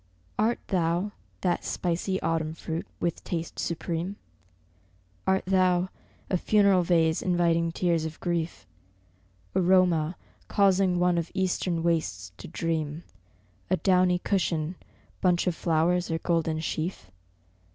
Art thou, that spicy Autumn fruit with taste supreme? Art thou a funeral vase inviting tears of grief? Aroma causing one of Eastern wastes to dream; A downy cushion, bunch of flowers or golden sheaf?